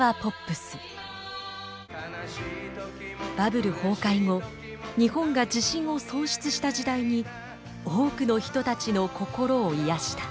バブル崩壊後日本が自信を喪失した時代に多くの人たちの心を癒やした。